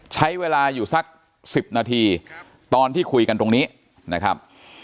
ใช้เวลาอยู่สัก๑๐นาทีตอนที่คุยกันตรงนี้นะครับ